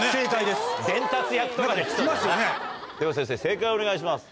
では先生正解をお願いします。